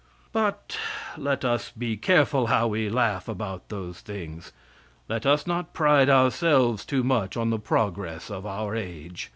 But let us be careful how we laugh about those things; let us not pride ourselves too much on the progress of our age.